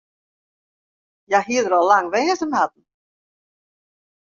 Hja hie der al lang wer wêze moatten.